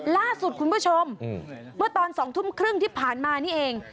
ล่าสุดคุณผู้ชมเมื่อตอน๒ทุ่มครึ่งที่ผ่านมานี่เอง